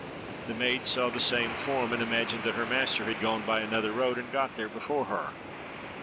The maid saw the same form, and imagined that her master had gone by another road, and got there before her.